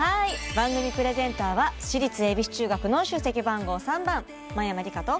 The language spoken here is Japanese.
番組プレゼンターは私立恵比寿中学の出席番号３番真山りかと。